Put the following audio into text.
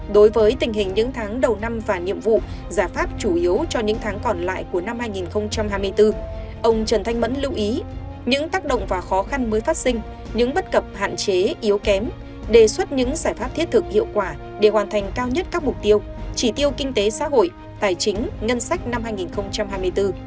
đối với tình hình những tháng đầu năm và nhiệm vụ giả pháp chủ yếu cho những tháng còn lại của năm hai nghìn hai mươi bốn ông trần thanh mẫn lưu ý những tác động và khó khăn mới phát sinh những bất cập hạn chế yếu kém đề xuất những giải pháp thiết thực hiệu quả để hoàn thành cao nhất các mục tiêu chỉ tiêu kinh tế xã hội tài chính ngân sách năm hai nghìn hai mươi bốn